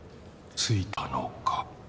「着いたのか？」。